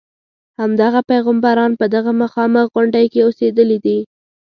همدغه پیغمبران په دغه مخامخ غونډې کې اوسېدلي دي.